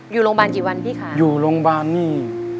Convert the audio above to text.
อยู่โรงพยาบาลกี่วันพี่คะอยู่โรงพยาบาลนี่